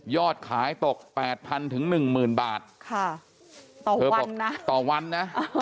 ยอดขายตกแปดพันถึงหนึ่งหมื่นบาทค่ะต่อวันนะต่อวันนะอ่า